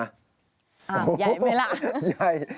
ใหญ่ไหมล่ะใหญ่